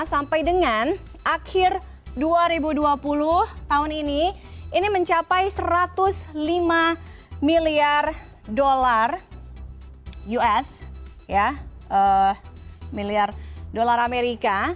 sampai dengan akhir dua ribu dua puluh tahun ini ini mencapai satu ratus lima miliar dolar us miliar dolar amerika